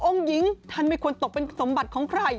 หญิงท่านไม่ควรตกเป็นสมบัติของใคร